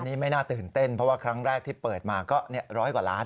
นี่ไม่น่าตื่นเต้นเพราะว่าครั้งแรกที่เปิดมาก็ร้อยกว่าล้าน